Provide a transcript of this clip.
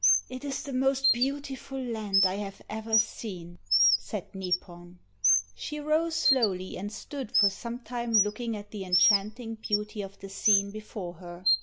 "It is the most beautiful land I have ever seen," said Nipon. She rose slowly and stood for some time looking at the enchanting beauty of the scene before her.